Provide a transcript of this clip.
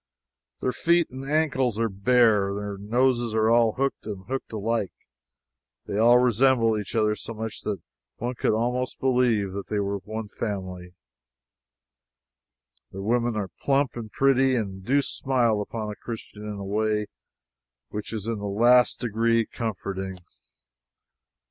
Their feet and ankles are bare. Their noses are all hooked, and hooked alike. They all resemble each other so much that one could almost believe they were of one family. Their women are plump and pretty, and do smile upon a Christian in a way which is in the last degree comforting.